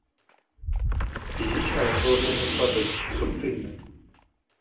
Фізічна ён быў вельмі слабы, субтыльны.